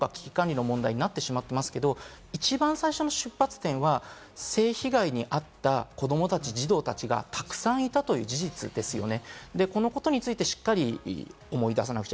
１つは大前提、これジャニーズ事務所のガバナンスとか危機管理の問題になってしまってますけれども、一番最初の出発点は性被害に遭った子どもたち、児童たちがたくさんいたという事実ですね。